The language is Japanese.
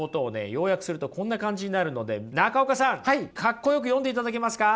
要約するとこんな感じになるので中岡さんかっこよく読んでいただけますか？